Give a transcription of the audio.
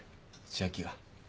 千明が。